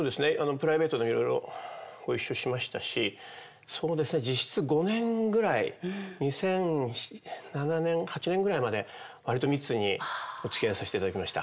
プライベートでもいろいろご一緒しましたしそうですね実質５年ぐらい２００７年２００８年ぐらいまで割と密におつきあいさせていただきました。